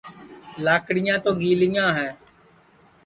لاکڑیاں تو گیلیاں ہے